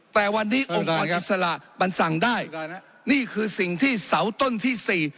แต่วันนี้องค์กรอิสระมันสั่งได้นี่คือสิ่งที่เสาต้นที่สี่